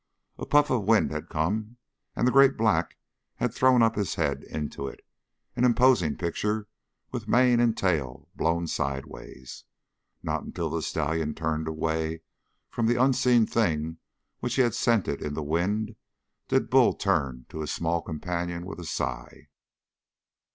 A puff of wind had come, and the great black had thrown up his head into it, an imposing picture with mane and tail blown sidewise. Not until the stallion turned away from the unseen thing which he had scented in the wind, did Bull turn to his small companion with a sigh.